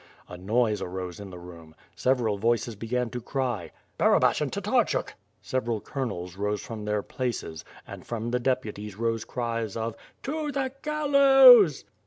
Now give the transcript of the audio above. A noise arose in the room. Several voices began to cry, "Barabash and Tatar chuk." Several colonels rose from their places, and from the deputies rose cries of "To the gallows!"